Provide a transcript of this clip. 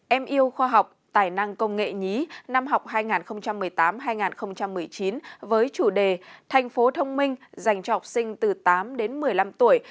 em yêu khoa học tài năng công nghệ nhí năm học hai nghìn một mươi tám hai nghìn một mươi chín với chủ đề thành phố thông minh dành cho học sinh từ tám đến một mươi năm tuổi